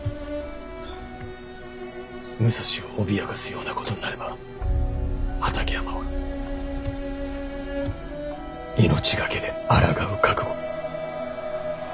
武蔵を脅かすようなことになれば畠山は命懸けであらがう覚悟。